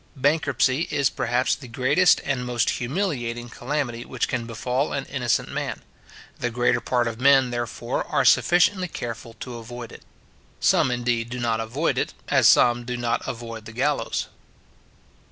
Bankruptcy is, perhaps, the greatest and most humiliating calamity which can befal an innocent man. The greater part of men, therefore, are sufficiently careful to avoid it. Some, indeed, do not avoid it; as some do not avoid the gallows.